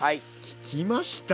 聞きました？